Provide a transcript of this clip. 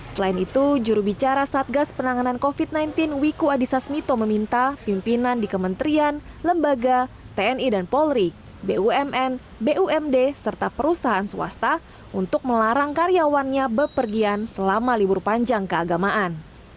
selain itu jurubicara satgas penanganan covid sembilan belas wiku adhisa smito meminta pimpinan di kementerian lembaga tni dan polri bumn bumd serta perusahaan swasta untuk melarang karyawannya bepergian selama libur panjang keagamaan